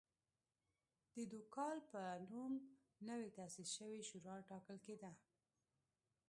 د دوکال په نوم نوې تاسیس شوې شورا ټاکل کېده.